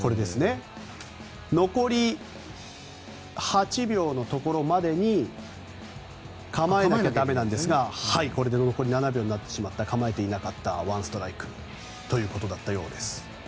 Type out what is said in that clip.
残り８秒のところまでに構えなきゃ駄目なんですがこれで残り７秒になってしまった構えていなかった、１ストライクということだったようです。